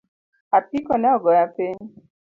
Apiko neogoya piny